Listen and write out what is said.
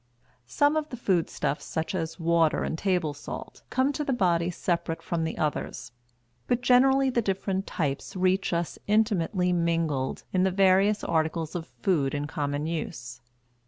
Some of the food stuffs, such as water and table salt, come to the body separate from the others; but generally the different types reach us intimately mingled in the various articles of food in common use.